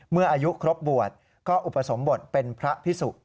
เมื่ออายุครบบวชก็อุปสมบทเป็นพระพิสุ